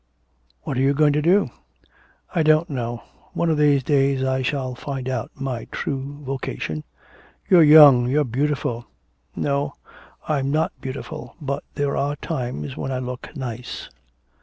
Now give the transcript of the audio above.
'What are you going to do?' 'I don't know. One of these days I shall find out my true vocation.' 'You're young, you are beautiful ' 'No, I'm not beautiful, but there are times when I look nice.'